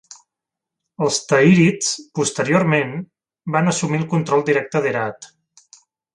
Els Tahirids, posteriorment, van assumir el control directe d'Herat.